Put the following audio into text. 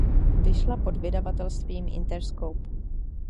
Vyšla pod vydavatelstvím Interscope.